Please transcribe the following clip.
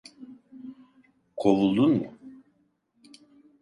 Kovuldun mu?